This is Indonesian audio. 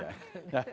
ya belum makan